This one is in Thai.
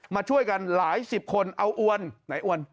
มาช่วยกันหลายสิบคนเอาอวนไหนอ้วน